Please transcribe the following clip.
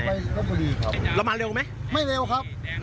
เอาไปเราก็ดีครับเรามาเร็วไหมไม่เร็วครับ